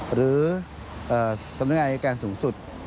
หรือสำนักงานอายการสูงสุด